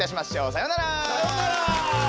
さようなら！